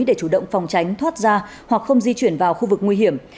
để chủ động phòng tránh thoát ra hoặc không di chuyển vào khu vực nguy hiểm